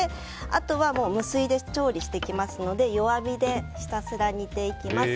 あとはもう無水で調理していきますので弱火でひたすら煮ていきます。